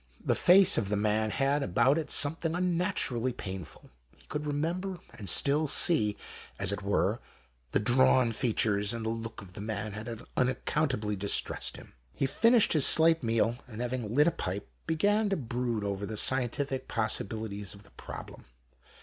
The face of the man had about it something &HOST TALES. unnaturally painful: he could remember, and still see, as it were, the drawn features, and the look of the man had"unaccountably distressed him. He finished his slight meal, and having lit a pipe, began to brood over the scientific possi bilities of the problem.